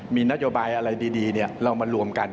มีนโยบายอะไรดีเรามารวมกัน